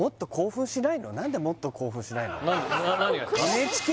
何でもっと興奮しないの？